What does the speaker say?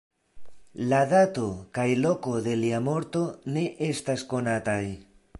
La dato kaj loko de lia morto ne estas konataj.